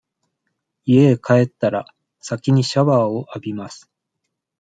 家へ帰ったら、先にシャワーを浴びます。